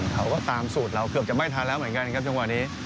เขาก็ตามสูตรเราเกือบจะไม่ทันแล้วเหมือนกันครับจังหวะนี้